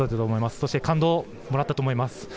そして感動をもらったと思います。